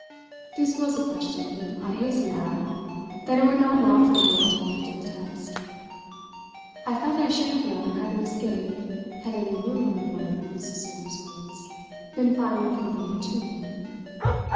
This was a question, I hasten to add, that I would not now for the world have put to the test. I felt I should have known how to escape had any rumour of wonder at Mrs. Server's ways been finally conveyed to me.